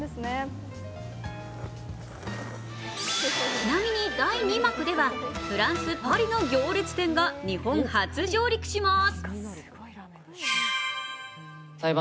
ちなみに第２幕では、フランス・パリの行列店が日本初上陸します。